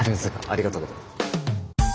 ありがとうございます。